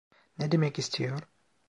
Ne demek istiyor?